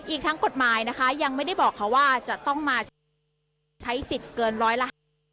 อีกทั้งกฎหมายนะคะยังไม่ได้บอกเขาว่าจะต้องมาใช้สิทธิ์เกินร้อยละ